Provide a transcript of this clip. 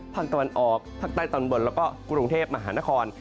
ภาคตะวันออกภาคใต้ตอนบนแล้วก็กรุงเทพมหานคร